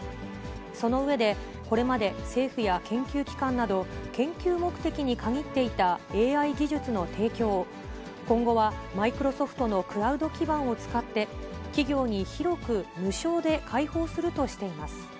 その上で、これまで政府や研究機関など、研究目的に限っていたＡＩ技術の提供を、今後はマイクロソフトのクラウド基盤を使って、企業に広く無償で開放するとしています。